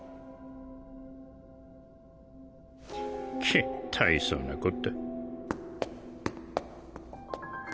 ケッたいそうなこった。